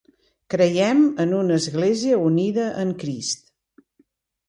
Creiem en una Església unida en Crist.